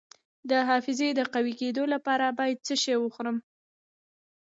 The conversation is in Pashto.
د حافظې د قوي کیدو لپاره باید څه شی وخورم؟